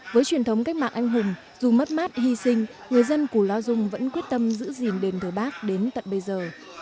với truyền thống cách mạng anh hùng dù mất mát hy sinh người dân củ lao dung vẫn quyết tâm giữ gìn đền thờ bắc đến tận bây giờ